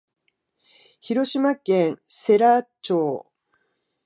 広島県世羅町